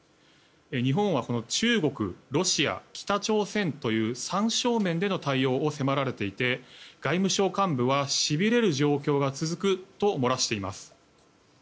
日本は中国、ロシア北朝鮮という３正面での対応を迫られていて外務省幹部はしびれる状況が続くと漏らしています。